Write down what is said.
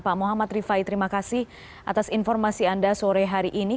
pak muhammad rifai terima kasih atas informasi anda sore hari ini